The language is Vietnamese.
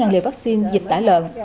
bốn trăm linh liều vắc xin dịch tả lợn